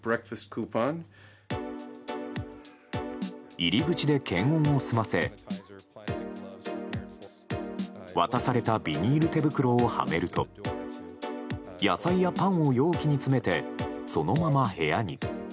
入り口で検温を済ませ渡されたビニール手袋をはめると野菜やパンを容器に詰めてそのまま部屋に。